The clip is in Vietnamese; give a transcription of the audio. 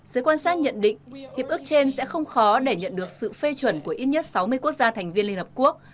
giới quan sát nhận định hiệp ước trên sẽ không khó để nhận được sự phê chuẩn của ít nhất sáu mươi quốc gia thành viên liên hợp quốc